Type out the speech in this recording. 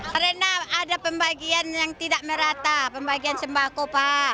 karena ada pembagian yang tidak merata pembagian sembako pak